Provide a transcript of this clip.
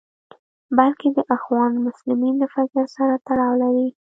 بلکې د اخوان المسلمین له فکر سره تړاو لري.